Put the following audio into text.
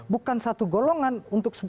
bukan satu golongan untuk